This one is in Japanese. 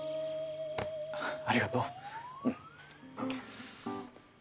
ありがとう。